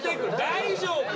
大丈夫や！